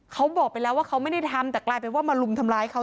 เขาบอกไปแล้วว่าเขาไม่ได้ทำแต่กลายเป็นว่ามาลุมทำร้ายเขา